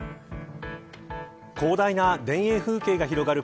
広大な田園風景が広がる